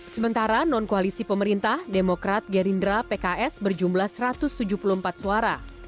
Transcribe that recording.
sementara non koalisi pemerintah demokrat gerindra pks berjumlah satu ratus tujuh puluh empat suara